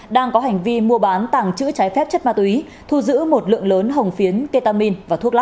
đang có hành vi mua bán tàng chữ trái phép chất ma túy thu giữ một lượng lớn hồng phiến ketamin